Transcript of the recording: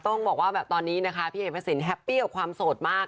ต้องบอกว่าตอนนี้พี่เอพระสินแฮปปี้กับความโสดมากค่ะ